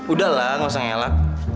udahlah gak usah ngelak